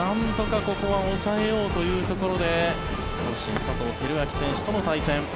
なんとかここは抑えようというところで阪神、佐藤輝明選手との対戦。